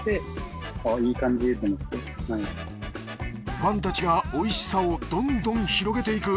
ファンたちがおいしさをどんどん広げていく。